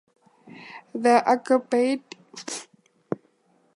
The aubade gained in popularity again with the advent of the metaphysical fashion.